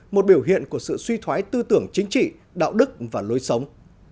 một biểu hiện của sự suy thoái tư tưởng chính trị đạo đức và lối sống